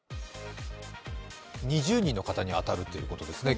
２０人の方に当たるってことですね